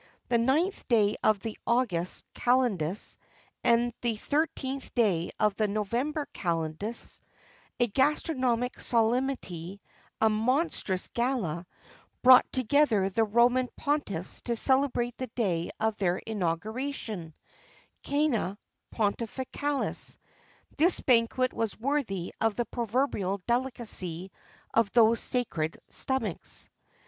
[XXX 23] The ninth day of the August calends, and the thirteenth day of the November calends, a gastronomic solemnity a monstrous gala brought together the Roman pontiffs to celebrate the day of their inauguration (cœna pontificalis). This banquet was worthy of the proverbial delicacy of those sacred stomachs.